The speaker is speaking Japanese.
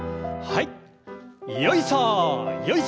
はい。